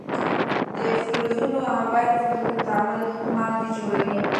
د فلزونو او غیر فلزونو تعامل مالګې جوړوي.